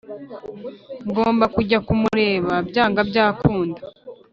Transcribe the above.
ngomba kujya kumureba byanga byakunda